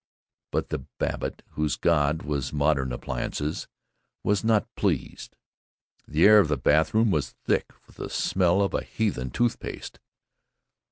But the Babbitt whose god was Modern Appliances was not pleased. The air of the bathroom was thick with the smell of a heathen toothpaste.